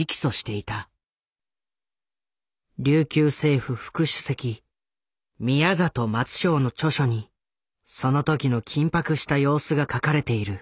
琉球政府副主席宮里松正の著書にその時の緊迫した様子が書かれている。